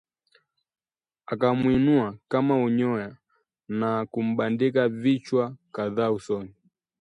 Akamuinua kama unyoya na kumbandika vichwa kadhaa usoni